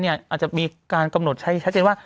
มันอาจจะมีการชัดเจนว่า